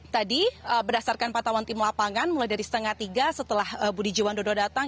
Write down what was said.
tadi berdasarkan patawan tim lapangan mulai dari setengah tiga setelah budi jiwando datang